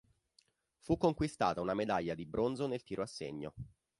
Fu conquistata una medaglia di bronzo nel tiro a segno.